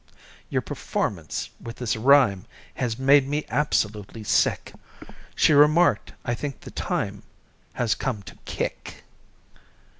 "Your performance with this rhyme has Made me absolutely sick," She remarked. "I think the time has Come to kick!"